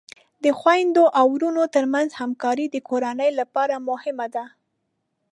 د خویندو او ورونو ترمنځ همکاری د کورنۍ لپاره مهمه ده.